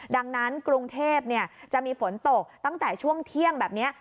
ดังนั้นกรุงเทพจะมีฝนตกตั้งแต่ช่วงเที่ยงแบบนี้